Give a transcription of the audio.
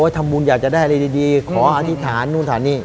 ทำบุญอยากจะได้อะไรดีขออธิษฐานนู่นฐานนี่